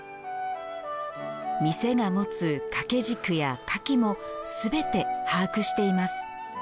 店が持つ掛け軸や花器もすべて把握しています。